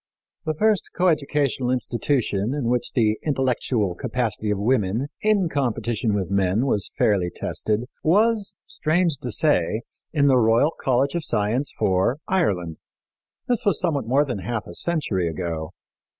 The first coeducational institution in which the intellectual capacity of women, in competition with men, was fairly tested was, strange to say, in the Royal College of Science for Ireland. This was somewhat more than half a century ago.